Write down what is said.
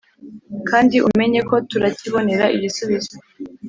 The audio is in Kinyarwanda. kandi umenyeko turakibonera igisubizo”